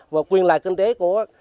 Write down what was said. và quyền lại kinh tế của